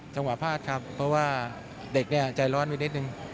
จังหวะพลาดครับเพราะว่าเด็กจะร้อนนิดนึง